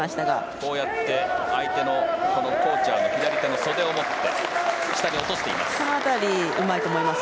こうやって相手のコーチャーの左手の袖を持って下に落としています。